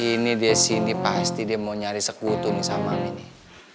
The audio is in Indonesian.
ini dia sindi pasti dia mau nyari sekutu nih sama mami nih